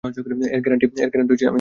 এর গ্যারান্টি আমি দিচ্ছি।